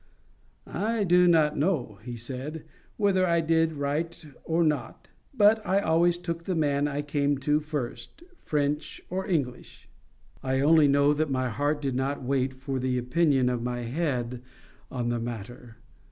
—"I do not know," he said, "whether I did right or not; but I always took the man I came to first—French or English."—I only know that my heart did not wait for the opinion of my head on the matter.